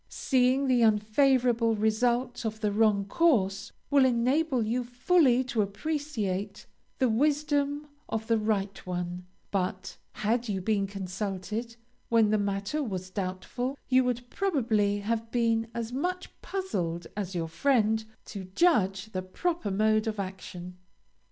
Seeing the unfavorable result of the wrong course will enable you fully to appreciate the wisdom of the right one, but, had you been consulted when the matter was doubtful, you would probably have been as much puzzled as your friend to judge the proper mode of action.